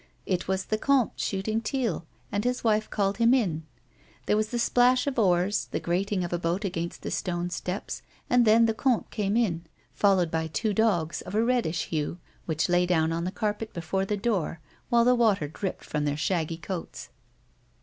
It was the comte shooting teal, and his wife called him in. Tiiere was the splash of oars, the trrating of a boat against the stone steps and then the comte came in, followed by two dogs of a reddish hue, whicli lay down on the carpet before the door, while the water dripped from their shaggy coats.